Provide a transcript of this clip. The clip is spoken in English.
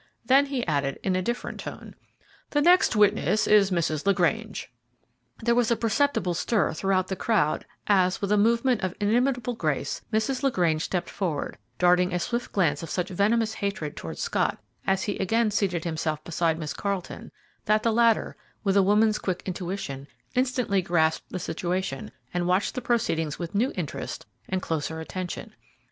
Then he added, in a different tone, "The next witness is Mrs. LaGrange." There was a perceptible stir throughout the crowd as, with a movement of inimitable grace, Mrs. LaGrange stepped forward, darting a swift glance of such venomous hatred towards Scott, as he again seated himself beside Miss Carleton, that the latter, with a woman's quick intuition, instantly grasped the situation and watched the proceedings with new interest and closer attention.